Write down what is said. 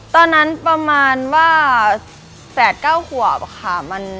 ตอนนั้นประมาณว่า๘๙ขวบค่ะ